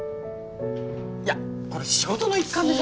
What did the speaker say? いやこれ仕事の一環でさ。